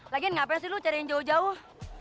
lagiin ngapain sih lo cari yang jauh jauh